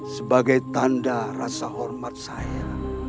sebagai tanda rasa hormat saya